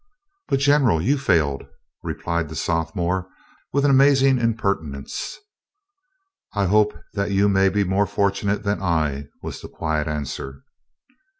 "But, General, you failed," replied the sophomore with an amazing impertinence. "I hope that you may be more fortunate than I," was the quiet answer.